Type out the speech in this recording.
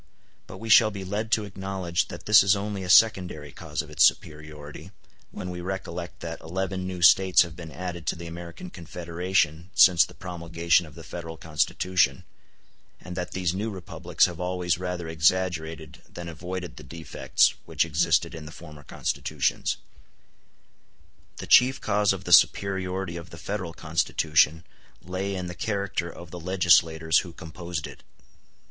But we shall be led to acknowledge that this is only a secondary cause of its superiority, when we recollect that eleven new States *n have been added to the American Confederation since the promulgation of the Federal Constitution, and that these new republics have always rather exaggerated than avoided the defects which existed in the former Constitutions. n [ [The number of States has now risen to 46 (1874), besides the District of Columbia.]] The chief cause of the superiority of the Federal Constitution lay in the character of the legislators who composed it.